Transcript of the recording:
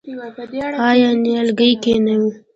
آیا نیالګی کینوو؟